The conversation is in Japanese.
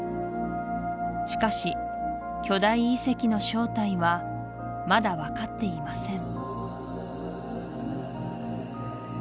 しかし巨大遺跡の正体はまだ分かっていません